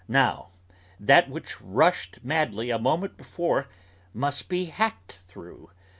Now, that which rushed madly a moment before, must be hacked through!